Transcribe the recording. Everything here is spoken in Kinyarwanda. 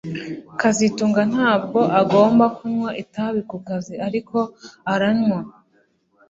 kazitunga ntabwo agomba kunywa itabi kukazi ariko aranywa